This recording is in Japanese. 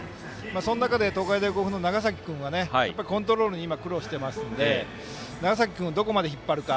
その中で、東海大甲府の長崎君はコントロールに今、苦労しているので、長崎君をどこまで引っ張るか。